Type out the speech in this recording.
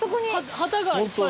旗がいっぱい。